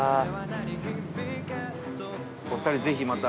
お二人ぜひまた。